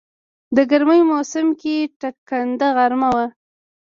د ګرمی موسم کې ټکنده غرمه وه.